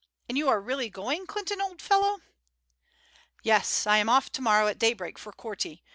And you are really going, Clinton, old fellow?" "Yes, I am off to morrow at daybreak for Korti.